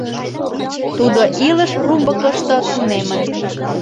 Тудо илыш румбыкышто тунемын.